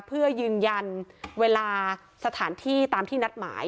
เพื่อยืนยันเวลาสถานที่ตามที่นัดหมาย